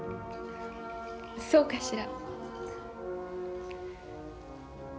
そうかしら。